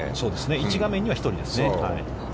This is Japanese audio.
１画面には、１人ですね。